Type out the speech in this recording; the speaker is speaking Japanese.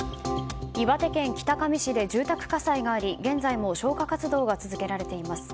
岩手県北上市で住宅火災があり現在も消火活動が続けられています。